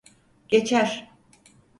Geçer.